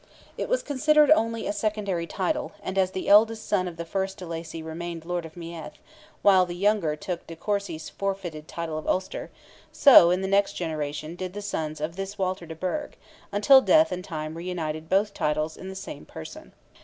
It was considered only a secondary title, and as the eldest son of the first de Lacy remained Lord of Meath, while the younger took de Courcy's forfeited title of Ulster, so, in the next generation, did the sons of this Walter de Burgh, until death and time reunited both titles in the same person.